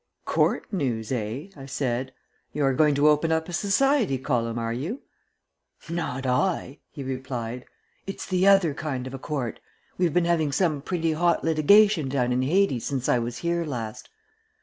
"Court news, eh?" I said. "You are going to open up a society column, are you?" "Not I," he replied. "It's the other kind of a court. We've been having some pretty hot litigation down in Hades since I was here last.